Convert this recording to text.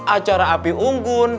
acara api unggun